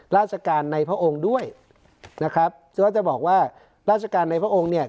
ราชการในพระองค์ด้วยนะครับซึ่งก็จะบอกว่าราชการในพระองค์เนี่ย